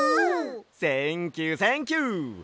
センキューセンキュー！